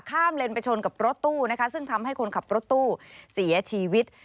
เลนไปชนกับรถตู้นะคะซึ่งทำให้คนขับรถตู้เสียชีวิต